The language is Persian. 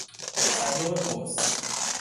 صندوق پست